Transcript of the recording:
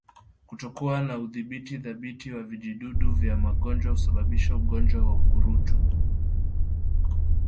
Kutokuwa na udhibiti thabiti wa vijidudu vya magonjwa husababisha ugonjwa wa ukurutu